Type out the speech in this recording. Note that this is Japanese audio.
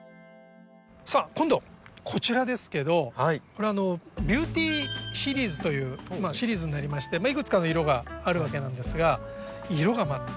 さあ今度こちらですけどこれは「ビューティーシリーズ」というシリーズになりましていくつかの色があるわけなんですが色がまたすごくいいでしょ？